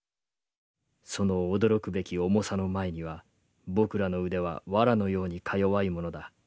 その驚くべき重さの前には僕らの腕はワラのようにか弱いものだ。